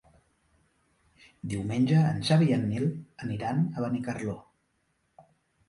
Diumenge en Xavi i en Nil aniran a Benicarló.